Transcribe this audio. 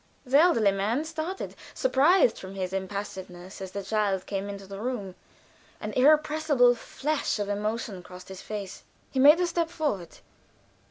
The elderly man started, surprised from his impassiveness, as the child came into the room. An irrepressible flash of emotion crossed his face; he made a step forward.